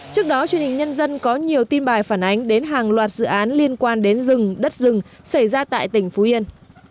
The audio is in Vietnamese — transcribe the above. trước đó truyền hình nhân dân có nhiều tin bài phản ánh đến hàng loạt dự án liên quan đến rừng đất rừng xảy ra tại tỉnh phú yên